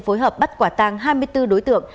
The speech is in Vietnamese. phối hợp bắt quả tàng hai mươi bốn đối tượng